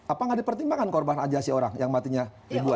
apakah tidak dipertimbangkan korban ajasi orang yang matinya ribuan